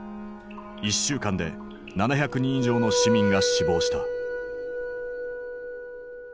１週間で７００人以上の市民が死亡した。